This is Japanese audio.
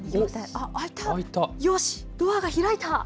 あっ、よし、ドアが開いた。